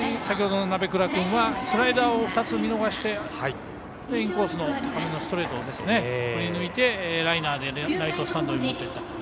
先ほどの鍋倉君はスライダーを２つ、見逃してインコースの高めのストレートを振りぬいてライナーでライトスタンドに持っていった。